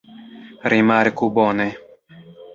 Rimarku bone.